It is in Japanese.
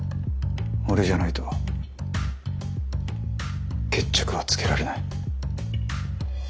俺じゃないと決着はつけられない。